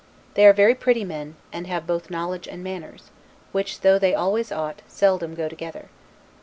They are very pretty men, and have both knowledge and manners; which, though they always ought, seldom go together.